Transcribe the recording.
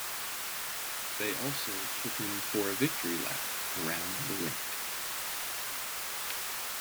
They also took him for a victory lap around the rink.